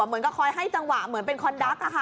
เหมือนกับคอยให้จังหวะเหมือนเป็นคอนดั๊กอะค่ะ